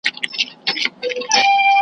وطن چي ښځو لره زندان سي .